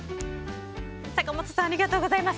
坂本さんありがとうございます。